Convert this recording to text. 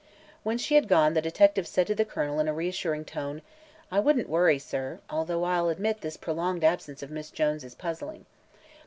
When she had gone the detective said to the Colonel in a reassuring tone: "I wouldn't worry, sir, although I'll admit this prolonged absence of Miss Jones is puzzling.